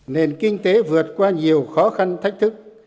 nền kinh tế vượt qua nhiều khó khăn thách thức